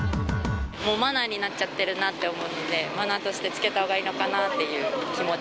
マナーになっちゃってるなって思うので、マナーとして着けたほうがいいのかなという気持ち。